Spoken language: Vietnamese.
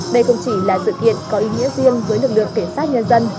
đây không chỉ là sự kiện có ý nghĩa riêng với lực lượng cảnh sát nhân dân